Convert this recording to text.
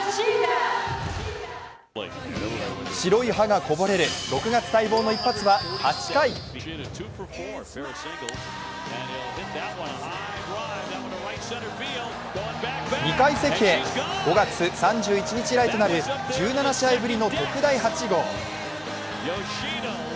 白い歯がこぼれる６月待望の一発は８回、２階席へ５月３１日以来となる１７試合ぶりの特大８号。